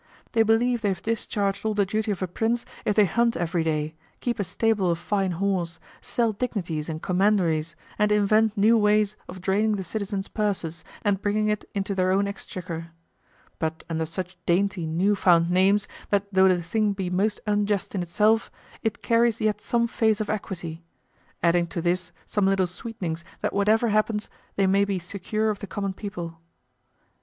They believe they have discharged all the duty of a prince if they hunt every day, keep a stable of fine horses, sell dignities and commanderies, and invent new ways of draining the citizens' purses and bringing it into their own exchequer; but under such dainty new found names that though the thing be most unjust in itself, it carries yet some face of equity; adding to this some little sweet'nings that whatever happens, they may be secure of the common people.